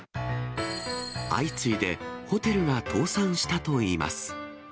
相次いでホテルが倒産したといいます。